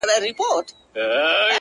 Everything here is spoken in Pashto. د شنو خالونو د ټومبلو کيسه ختمه نه ده ـ